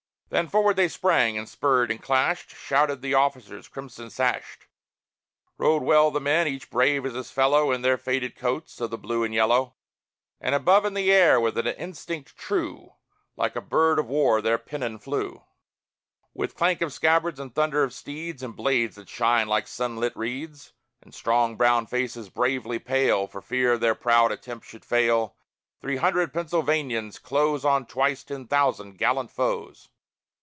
Then forward they sprang, and spurred, and clashed; Shouted the officers, crimson sashed; Rode well the men, each brave as his fellow, In their faded coats of the blue and yellow; And above in the air, with an instinct true, Like a bird of war their pennon flew. With clank of scabbards and thunder of steeds, And blades that shine like sunlit reeds, And strong brown faces bravely pale, For fear their proud attempt shall fail, Three hundred Pennsylvanians close On twice ten thousand gallant foes.